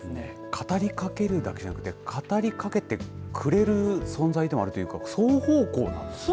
語りかけるだけじゃなくて語りかけてくれる存在でもあるというか双方向なんですね。